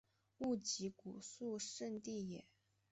勿吉古肃慎地也。